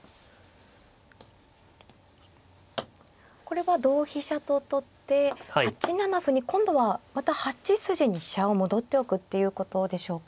これは同飛車と取って８七歩に今度はまた８筋に飛車を戻っておくっていうことでしょうか。